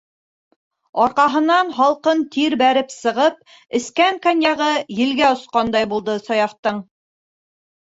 Арҡаһынан һалҡын тир бәреп сығып, эскән коньягы елгә осҡандай булды Саяфтың.